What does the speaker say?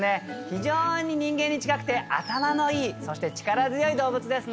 非常に人間に近くて頭のいいそして力強い動物ですね。